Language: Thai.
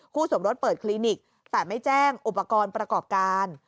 สมรสเปิดคลินิกแต่ไม่แจ้งอุปกรณ์ประกอบการ